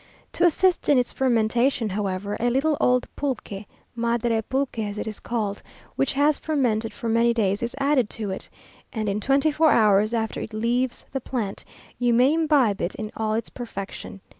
To assist in its fermentation, however, a little old pulque, Madre pulque, as it is called, which has fermented for many days, is added to it, and in twenty four hours after it leaves the plant, you may imbibe it in all its perfection.